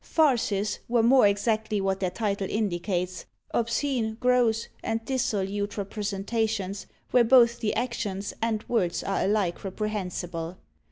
Farces were more exactly what their title indicates obscene, gross, and dissolute representations, where both the actions and words are alike reprehensible.